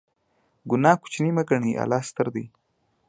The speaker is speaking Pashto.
ګناه کوچنۍ مه ګڼئ، الله ستر دی.